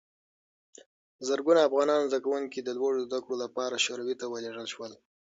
زرګونه افغان زدکوونکي د لوړو زده کړو لپاره شوروي ته ولېږل شول.